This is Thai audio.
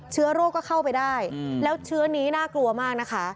เชื้อโรคก็เข้าไปได้แล้วเชื้อนี้น่ากลัวมากนะคะ